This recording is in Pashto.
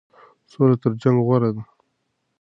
سوله تر جنګ غوره ده.